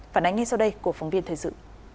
phản ánh ngay sau đây của phóng viên thời sự